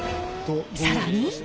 更に。